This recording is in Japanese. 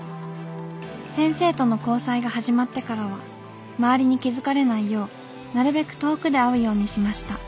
先生との交際がはじまってからは周りに気付かれないようなるべく遠くで会うようにしました。